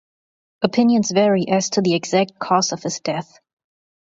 Opinions vary as to the exact cause of his death.